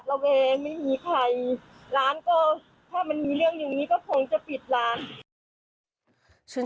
ตอนนี้ค่ะนอนเราเองมีไม่มีใคร